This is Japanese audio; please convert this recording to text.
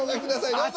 どうぞ。